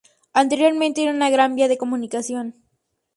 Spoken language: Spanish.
Anteriormente era una gran vía de comunicación.